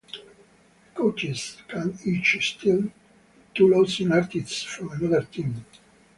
The coaches can each steal two losing artist from another team.